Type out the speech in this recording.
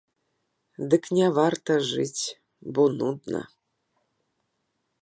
Дык не варта жыць, бо нудна.